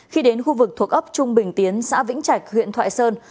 khi đến khu vực thuộc ấp trung bình tiến xã vĩnh trạch huyện thoại sơn